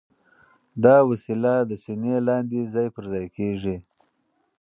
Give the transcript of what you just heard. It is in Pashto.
دا وسیله د سینې لاندې ځای پر ځای کېږي.